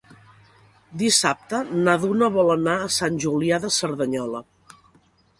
Dissabte na Duna vol anar a Sant Julià de Cerdanyola.